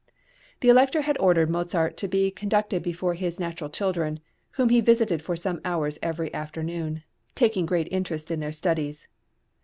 The Elector had ordered Mozart to be conducted before his natural children, whom he visited for some hours every afternoon, taking great interest in their studies.